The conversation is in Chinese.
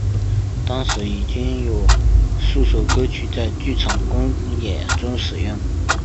当时已经有数首歌曲在剧场公演中使用。